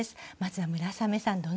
まずは村雨さん